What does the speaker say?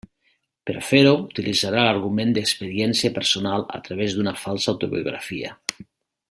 Per a fer-ho, utilitzarà l'argument d'experiència personal a través d'una falsa autobiografia.